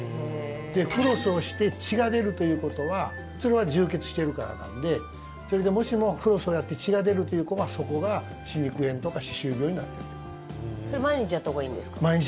フロスをして血が出るということはそれは充血してるからなのでそれで、もしもフロスをやって血が出るということはそこが歯肉炎とか歯周病になってるということ。